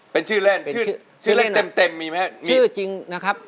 เป็นชื่อเล่นเชื่อเล่นเต็มมีไหม